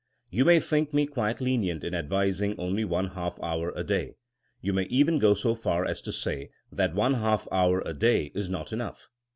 ^ You may think me quite lenient in advising only one half hour a day. You may even go so far as to say that one half hour a day is not enough.